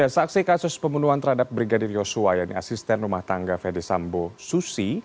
saksi kasus pembunuhan terhadap brigadir yosua yang asisten rumah tangga ferdis sambo susi